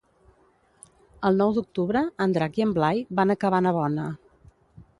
El nou d'octubre en Drac i en Blai van a Cabanabona.